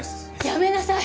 やめなさい！